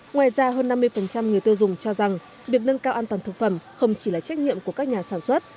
ngoài ra hơn năm mươi người tiêu dùng cho rằng việc nâng cao an toàn thực phẩm không chỉ là trách nhiệm của các nhà sản xuất